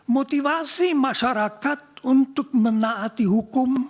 motivasi masyarakat untuk menaati hukum